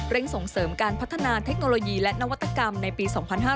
ส่งเสริมการพัฒนาเทคโนโลยีและนวัตกรรมในปี๒๕๕๙